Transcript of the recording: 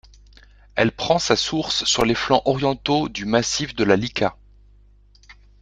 Elle prend sa source sur les flancs orientaux du massif de la Lika.